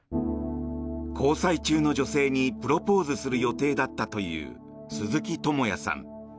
交際中の女性にプロポーズする予定だったという鈴木智也さん。